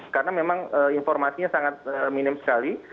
karena memang informasinya sangat minim sekali